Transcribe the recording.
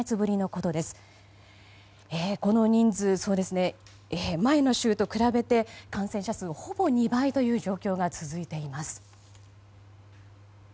この人数、前の週と比べて感染者数がほぼ２倍という状況が続いています。